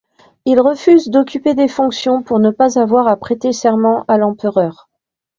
Il refuse d'occuper des fonctions pour ne pas avoir à prêter serment à l'empereur.